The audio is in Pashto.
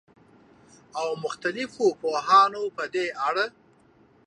او مختلفو پوهانو په دې اړه